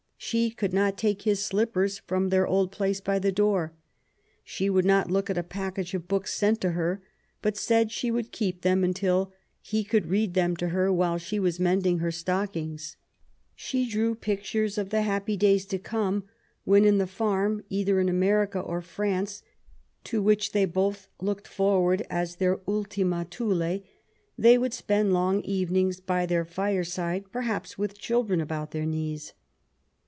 She could not take his slippers from their old place by the door. She would not look at a package of books sent to her, but said she would keep them until he could read them to her while she was mending her stockings. She drew pictures of the happy days to come, when in the farm, either in America or Prance, to which they both looked forward as their Ultima Thule, they would spend long evenings by their fireside, perhaps with children about their knees.